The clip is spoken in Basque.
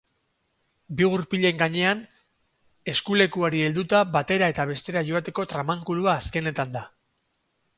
Bi gurpilen gainean, eskulekuari helduta batera eta bestera joateko tramankulua azkenetan da.